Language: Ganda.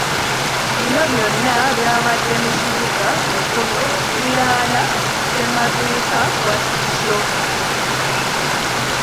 Bino byonna byabadde mu kibuga Mukono okuliraana Ssemaduuka wa City Shoppers.